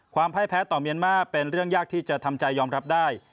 พ่ายแพ้ต่อเมียนมาร์เป็นเรื่องยากที่จะทำใจยอมรับได้